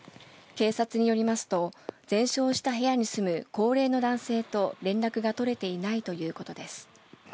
警察によりますと全焼した部屋に住む高齢の男性と連絡が取れていないということです。